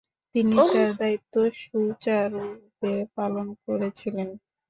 তিনি তার দায়িত্ব সুচারুরূপে পালন করেছিলেন।